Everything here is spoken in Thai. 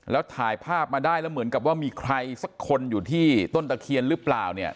แล้วถ่ายภาพมาได้แล้วเหมือนกับว่ามีใครสักคนอยู่ที่ต้นตะเคียนหรือเปล่าเนี่ย